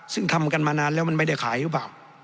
ซึ่งทำกันมานานแล้วมันไม่ได้ขายหรือเปล่า